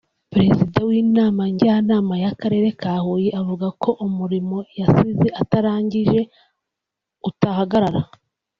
perezida w’inama njyanama y’Akarere ka Huye avuga ko umurimo yasize atangije utahagarara